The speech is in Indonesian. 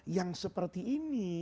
yang seperti ini